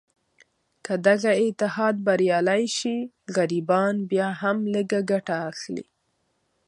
که دغه اتحاد بریالی شي، غریبان بیا هم لږه ګټه اخلي.